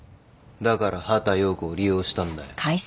だから畑葉子を利用したんだよ。